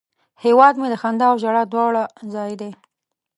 هیواد مې د خندا او ژړا دواړه ځای دی